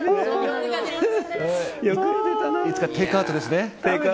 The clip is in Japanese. いつかテイクアウトですね。